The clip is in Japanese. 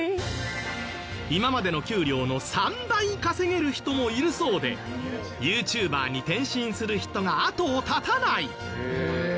今までの給料の３倍稼げる人もいるそうでＹｏｕＴｕｂｅｒに転身する人があとを絶たない。